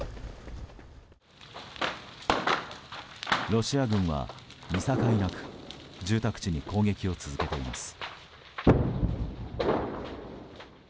ロシア軍は見境なく住宅地に攻撃を続けています。